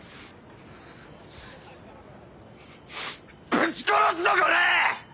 ぶち殺すぞこらぁ‼